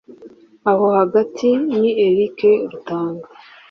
aho hagati ni Eric Rutanga